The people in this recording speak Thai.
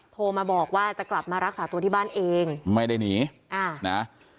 โทรมาบอกว่าจะกลับมารักษาตัวที่บ้านเองไม่ได้หนีอ่านะ